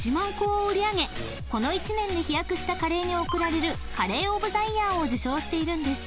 ［この１年で飛躍したカレーに贈られるカレー・オブ・ザ・イヤーを受賞しているんです］